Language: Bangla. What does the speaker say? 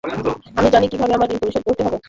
আমি জানি কিভাবে আমার ঋণ পরিশোধ করতে হবে।